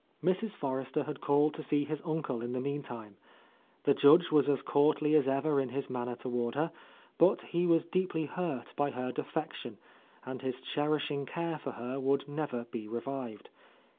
Mrs. Forrester had called to see his uncle in the meantime. The Judge was as courtly as ever in his manner toward her, but he was deeply hurt by her defection, and his cherishing care for her would never be revived.